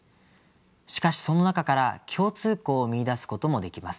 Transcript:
しかしその中から共通項を見いだすこともできます。